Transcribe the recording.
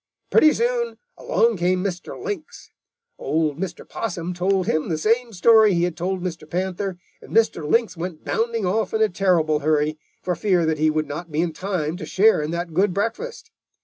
Pretty soon along came Mr. Lynx. Old Mr. Possum told him the same story he had told Mr. Panther, and Mr. Lynx went bounding off in a terrible hurry, for fear that he would not be in time to share in that good breakfast.